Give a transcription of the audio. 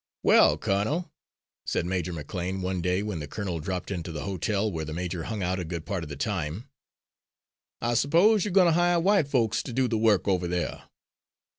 "Well, colonel," said Major McLean one day when the colonel dropped into the hotel, where the Major hung out a good part of the time, "I s'pose you're goin' to hire white folks to do the work over there."